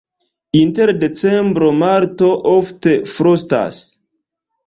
Inter decembro-marto ofte frostas.